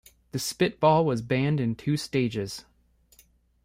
The spitball was banned in two stages.